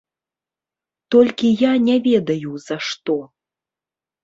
Толькі я не ведаю за што.